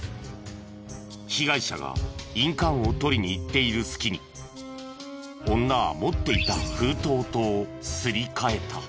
被害者が印鑑を取りに行っている隙に女は持っていた封筒とすり替えた。